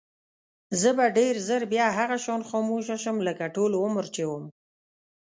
زه به ډېر ژر بیا هغه شان خاموشه شم لکه ټول عمر چې وم.